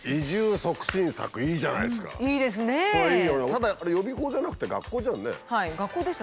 ただやっぱり予備校じゃなくて学校じゃんね。